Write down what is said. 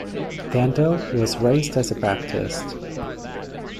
Dando was raised as a Baptist.